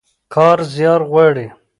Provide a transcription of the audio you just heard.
کار زيار غواړي.